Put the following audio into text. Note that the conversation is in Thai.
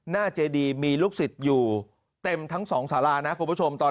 เจดีมีลูกศิษย์อยู่เต็มทั้งสองสารานะคุณผู้ชม